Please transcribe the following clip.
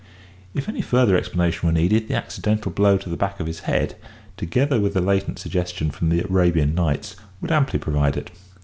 If any further explanation were needed, the accidental blow to the back of his head, together with the latent suggestion from the "Arabian Nights," would amply provide it.